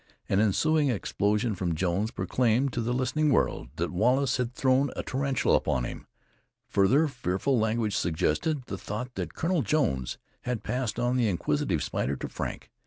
An ensuing explosion from Jones proclaimed to the listening world that Wallace had thrown a tarantula upon him. Further fearful language suggested the thought that Colonel Jones had passed on the inquisitive spider to Frank.